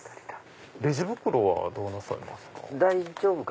レジ袋はどうなさいますか？